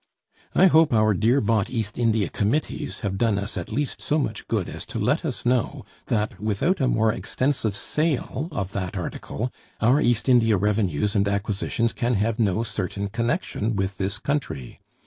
I hope our dear bought East India Committees have done us at least so much good as to let us know that without a more extensive sale of that article, our East India revenues and acquisitions can have no certain connection with this country.